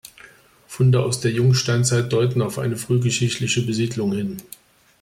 Funde aus der Jungsteinzeit deuten auf eine frühgeschichtliche Besiedelung hin.